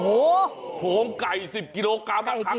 ว้าวกรก่าย๑๐กิโลกรัมอีกทั้งทั้งหนึ่ง